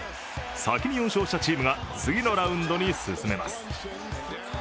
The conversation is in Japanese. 先に４勝したチームが次のラウンドに進めます。